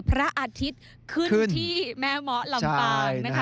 พระอาทิตย์ขึ้นที่แม่หมอลำปาง